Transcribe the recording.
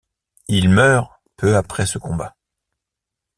Il meurt peu après ce combat.